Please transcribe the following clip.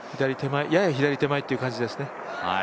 やや左手前という感じですね。